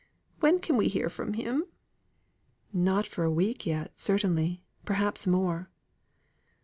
"When can we hear from him?" "Not for a week yet, certainly perhaps more."